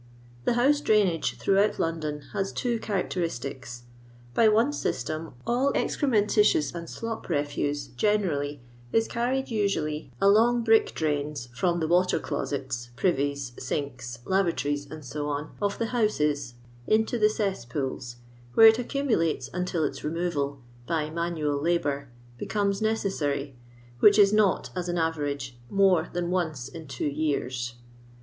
The house drainngc throughout London has two chanictcristics. Uy one system all ezcrcmentiuoui and slop refuse generally is carried tuually aioog LOirDON LABOUR AND THE LONDON POOR. 887 brick drains from the water closett, privief^ sinki, layntorieSy &c., of the houses into the cesspools, where it accumulates until its remoTal (by manual labour) becomes necessary, which is not, as an BTemge, more than once in two years.